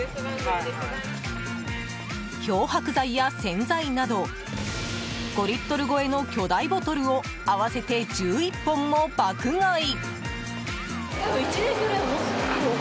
漂白剤や洗剤など５リットル超えの巨大ボトルを合わせて１１本も爆買い。